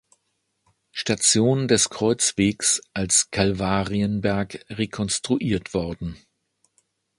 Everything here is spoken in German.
Station des Kreuzwegs als Kalvarienberg rekonstruiert worden.